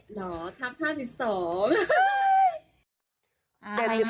เหรอทับ๕๒